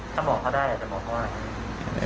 ถ้าบอกเขาได้อาจจะบอกเขาอะไร